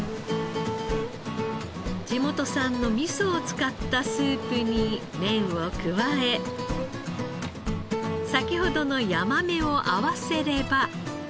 地元産の味噌を使ったスープに麺を加え先ほどのヤマメを合わせれば。